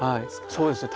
そうですね。